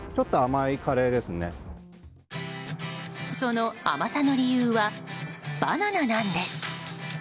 その甘さの理由はバナナなんです。